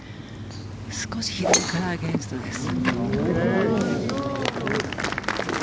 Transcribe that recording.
少し左からアゲンストです。